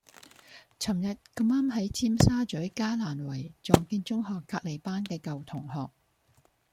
噚日咁啱喺尖沙咀嘉蘭圍撞見中學隔離班嘅舊同學